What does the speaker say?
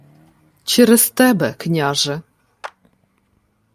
— Через тебе, княже.